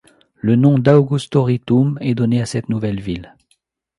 Le nom d'Augustoritum est donné à cette nouvelle ville.